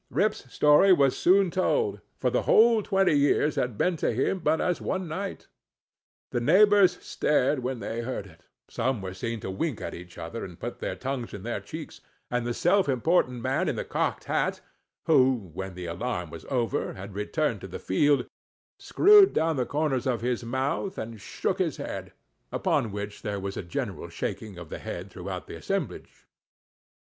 Rip's story was soon told, for the whole twenty years had been to him but as one night. The neighbors stared when they heard it; some were seen to wink at each other, and put their tongues in their cheeks: and the self important man in the cocked hat, who, when the alarm was over, had returned to the field, screwed down the corners of his mouth, and shook his head—upon which there was a general shaking of the head throughout the assemblage.